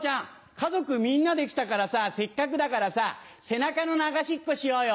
家族みんなで来たからさせっかくだからさ背中の流しっこしようよ。